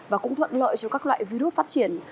và cũng thuận lợi cho các loại virus phát triển